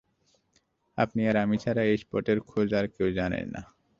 আপনি আর আমি ছাড়া এই স্পটের খোঁজ আর কেউ জানে না।